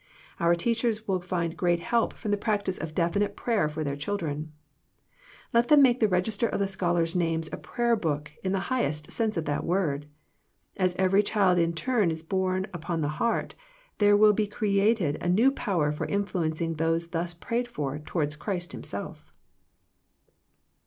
Our teachers will find great help from the practice of definite prayer for their children. Let them make the register of the scholar's names a prayer book in the highest sense of that word. As every child in turn is born upon the heart, there will be created a new power for influencing those thus prayed for towards Christ Himself.